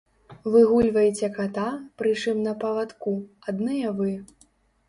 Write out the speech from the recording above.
Выгульваеце ката, прычым на павадку, адныя вы.